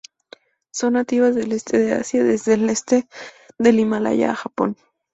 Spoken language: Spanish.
Son nativas del este de Asia, desde el este de Himalaya a Japón.